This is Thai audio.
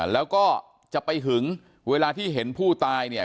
แล้วก็จะไปหึงเวลาที่เห็นผู้ตายเนี่ย